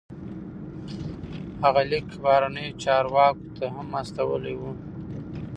هغه لیک بهرنیو چارواکو ته هم استولی و.